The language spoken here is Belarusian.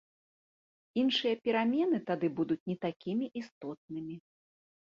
Іншыя перамены тады будуць не такімі істотнымі.